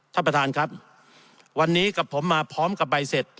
ท่านประธานครับวันนี้กับผมมาพร้อมกับใบเสร็จ